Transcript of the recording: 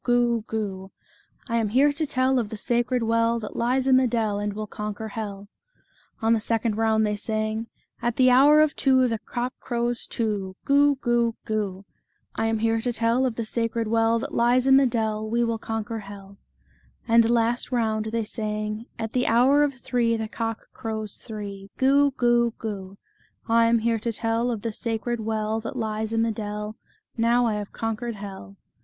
Goo! Goo! I am here to tell Of the sacred well That lies in the dell, And will conquer Jiell" On the second round, they sang : "At the hour of two The cock croivs two, Goo ! Goo ! Goo ! 36 The Fairy of the Dell. I am here to tell Of the sacred well That lies in the dell; We will conquer hell" At the last round, they sang : "At the hour of three The cock crows three. Goo! Goo! Goo! I am here to tell Of the sacred well That lies in the dell; Now I have conquered hell."